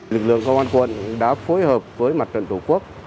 lực lượng công an quận đã phối hợp với mặt trận tổ quốc